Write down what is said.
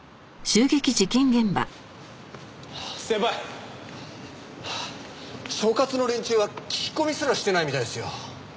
所轄の連中は聞き込みすらしてないみたいですよ。